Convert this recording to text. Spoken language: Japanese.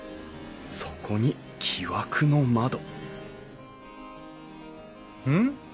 そこに木枠の窓うん？